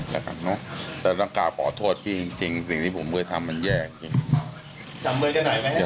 ต้องกลับขอโทษพี่จริงสิ่งที่ผมเคยทำมันแย่จริง